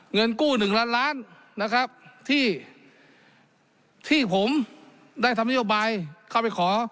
เงินกู้๑ล้านล้านนะครับที่ผมได้ทำนโยบายเข้าไปขอ